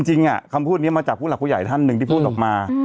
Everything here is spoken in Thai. จริงคำพูดนี้มาจากผู้หลักผู้ใหญ่ท่านหนึ่งที่พูดออกมา